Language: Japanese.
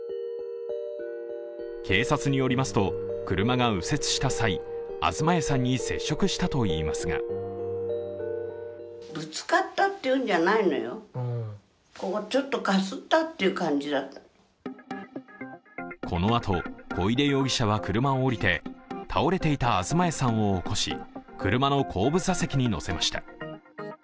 警察によりますと車が右折した際東谷さんに接触したといいますがこのあと、小出容疑者は車を降りて倒れていた東谷さんを起こし車の後部座席に乗せました。